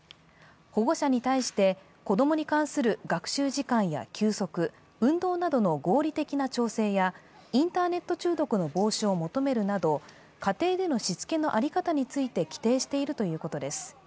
保護者に対して、子供に関する学習時間や休息、運動などの合理的な調整やインターネット中毒の防止を求めるなど、家庭でのしつけの在り方について規定しているということです。